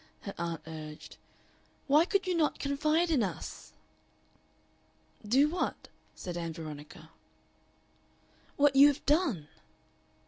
her aunt urged. "Why could you not confide in us?" "Do what?" said Ann Veronica. "What you have done."